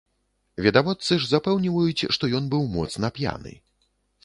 Відавочцы ж запэўніваюць, што ён быў моцна п'яны.